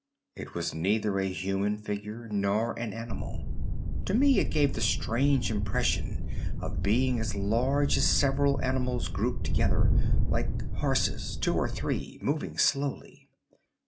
It was neither a human figure nor an animal. To me it gave the strange impression of being as large as several animals grouped together, like horses, two or three, moving slowly.